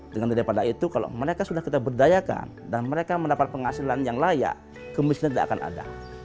dengan daripada itu kalau mereka sudah kita berdayakan dan mereka mendapat penghasilan yang layak kemiskinan tidak akan ada